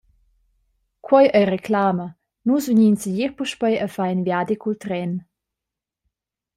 Quei ei reclama, nus vegnin segir puspei a far in viadi cul tren.